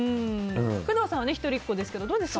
工藤さんは一人っ子ですがどうですか？